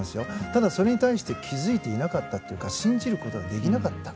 ただ、それに対して気づいていなかったというか信じることができなかった。